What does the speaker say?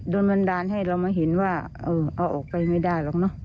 บันดาลให้เรามาเห็นว่าเอาออกไปไม่ได้หรอกเนอะ